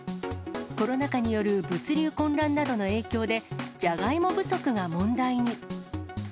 コロナ禍による物流混乱などの影響で、じゃがいも不足が問題に。